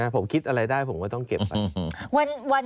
ผมคิดอะไรได้ผมก็ต้องเก็บไป